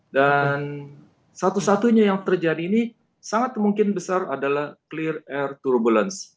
dan satu satunya yang terjadi ini sangat mungkin besar adalah clear air turbulence